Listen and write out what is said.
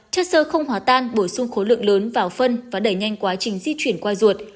chất sơ không hóa tan bổ sung khối lượng lớn vào phân và đẩy nhanh quá trình di chuyển qua ruột